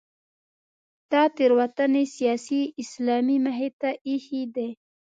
دا تېروتنې سیاسي اسلام مخې ته اېښې دي.